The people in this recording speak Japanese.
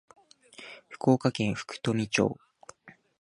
福岡県福智町